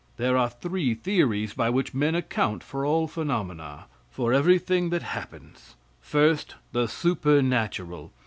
There are three theories by which men account for all phenomena for everything that happens: First, the supernatural.